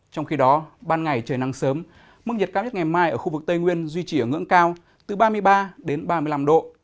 trong khi đó ban ngày trời nắng sớm mức nhiệt cao nhất ngày mai ở khu vực tây nguyên duy trì ở ngưỡng cao từ ba mươi ba đến ba mươi năm độ